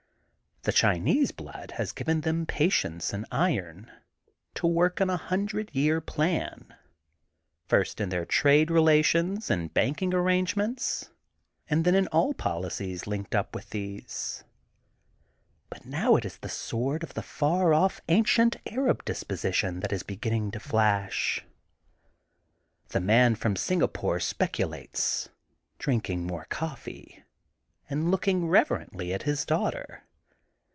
The Chinese blood has given them patience and iron, to work on a hundred year plan, first in their trade relations and banking arrange ments, and then in all policies linked up with these. But now it is the sword of the far off ancient Arab disposition that is beginning to flash. The Man from Singapore speculates, drink ing more coffee, and looking reverently at his daughter.